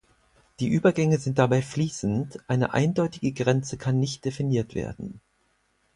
Die Übergänge sind dabei fließend, eine eindeutige Grenze kann nicht definiert werden.